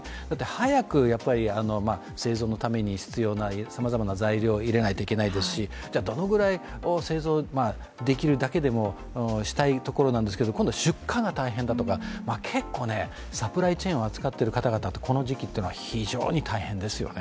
早く製造のために必要なさまざまな材料を入れないといけないですして製造できるだけでもしたいところなんですけど今度出荷が大変だとか結構サプライチェーンを扱っている方々はこの時期というのは非常に大変ですよね。